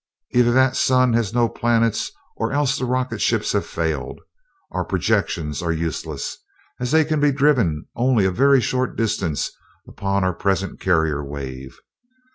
Either that sun has no planets or else the rocket ships have failed. Our projections are useless, as they can be driven only a very short distance upon our present carrier wave.